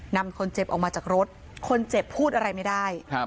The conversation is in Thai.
นำคนเจ็บออกมาจากรถคนเจ็บพูดอะไรไม่ได้